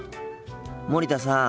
森田さん。